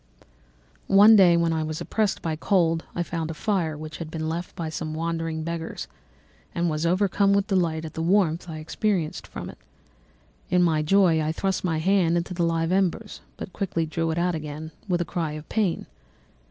"One day, when I was oppressed by cold, I found a fire which had been left by some wandering beggars, and was overcome with delight at the warmth I experienced from it. In my joy I thrust my hand into the live embers, but quickly drew it out again with a cry of pain.